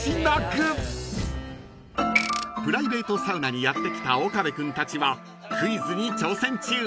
［プライベートサウナにやって来た岡部君たちはクイズに挑戦中］